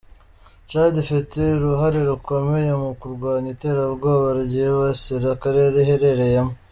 Tchad ifite uruhare rukomeye mu kurwanya iterabwoba ryibasira akarere iherereyemo.